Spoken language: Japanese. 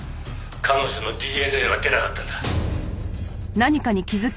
彼女のＤＮＡは出なかったんだ」